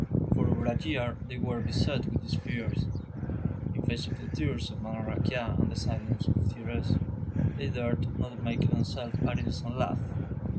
For over a year they were beset with these fears. In face of the tears of Madame Raquin and the silence of Thérèse, they dared not make themselves at ease and laugh.